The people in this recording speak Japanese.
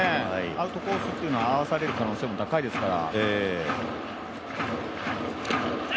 アウトコースっていうのは、合わされる可能性も高いですから。